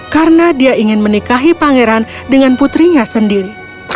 karena dia ingin menikahi pangeran dengan putrinya sendiri